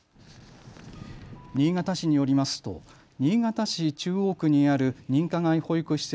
新潟市によりますと新潟市中央区にある認可外保育施設